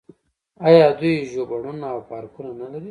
آیا دوی ژوبڼونه او پارکونه نلري؟